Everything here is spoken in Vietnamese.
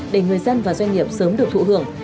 để người dân và doanh nghiệp sớm được thụ hưởng